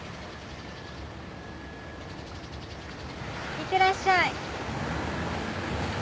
いってらっしゃい。